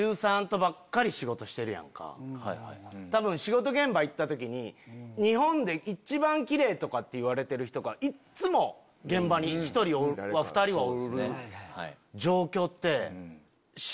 多分仕事現場行った時に日本で一番キレイとかって言われてる人がいつも現場に１人２人はおる状況って。